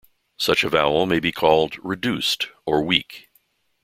Such a vowel may be called "reduced" or "weak".